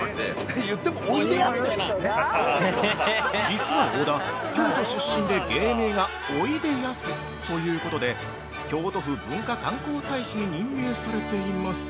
◆実は小田、京都出身で芸名がおいでやすということで京都府文化観光大使に任命されています。